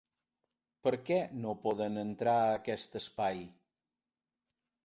Perquè no poden entrar a aquest espai?